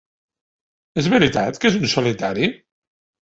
És veritat que és un solitari?